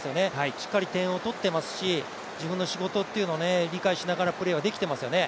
しっかり点を取っていますし、自分の仕事を理解しながらプレーできてますよね。